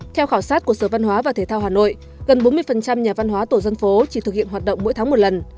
theo khảo sát của sở văn hóa và thể thao hà nội gần bốn mươi nhà văn hóa tổ dân phố chỉ thực hiện hoạt động mỗi tháng một lần